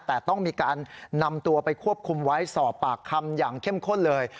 แต่ต้องมีการนำตัวไปควบคุมไว้สอบปากคำอย่างเข้มข้นเลย